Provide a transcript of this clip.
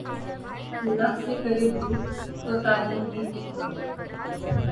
اللہ سے کرے دور ، تو تعلیم بھی فتنہ